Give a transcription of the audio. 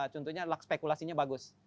contohnya luck spekulasinya bagus